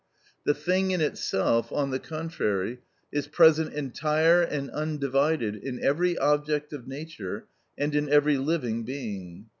The thing in itself, on the contrary, is present entire and undivided in every object of nature and in every living being.